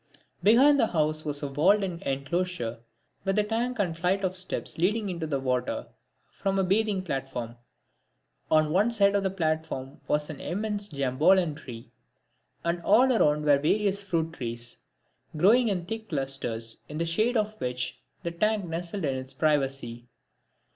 Behind the house was a walled in enclosure with a tank and a flight of steps leading into the water from a bathing platform. On one side of the platform was an immense Jambolan tree, and all round were various fruit trees, growing in thick clusters, in the shade of which the tank nestled in its privacy.